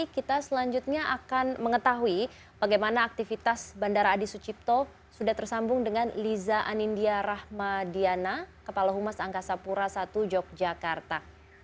kita selanjutnya akan mengetahui bagaimana aktivitas bandara adi sucipto sudah tersambung dengan liza anindya rahmadiana kepala humas angkasa pura i yogyakarta